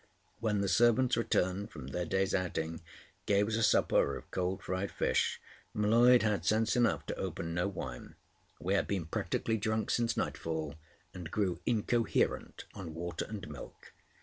When the servants, returned from their day's outing, gave us a supper of cold fried fish, M'Leod had sense enough to open no wine. We had been practically drunk since nightfall, and grew incoherent on water and milk.